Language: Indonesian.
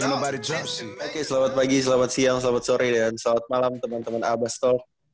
oke selamat pagi selamat siang selamat sore dan selamat malam temen temen abastog